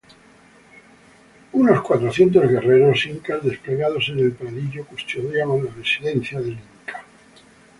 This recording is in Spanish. Unos cuatrocientos guerreros incas, desplegado en el pradillo, custodiaban la residencia del Inca.